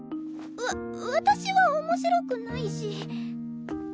わ私は面白くないし。